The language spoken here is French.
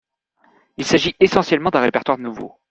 Il s'agit essentiellement d'un répertoire nouveau.